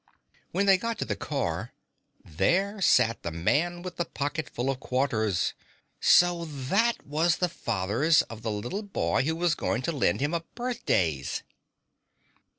When they got to the car, there sat the Man With the Pocketful of Quarters! So that was the fathers of the little boy who was going to lend him a birthdays!